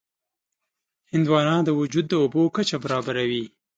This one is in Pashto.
هندوانه د وجود د اوبو کچه برابروي.